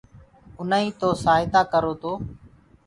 اُنآئين تو سآهتآ ڪررو تو